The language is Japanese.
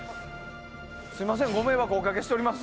すみません、ご迷惑をおかけしております。